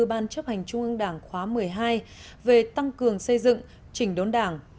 ban chấp hành trung ương đảng khóa một mươi hai về tăng cường xây dựng chỉnh đốn đảng